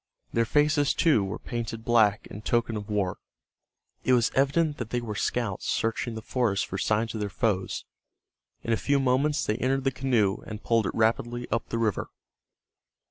Their faces, too, were painted black in token of war. It was evident that they were scouts searching the forest for signs of their foes. In a few moments they entered the canoe, and poled it rapidly up the river.